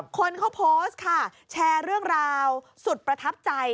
คนเขาโพสต์ค่ะแชร์เรื่องราวสุดประทับใจ